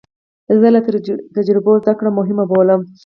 زه له تجربو زده کړه مهمه بولم.